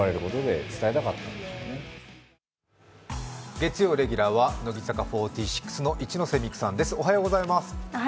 月曜レギュラーは乃木坂４６の一ノ瀬美空さんです。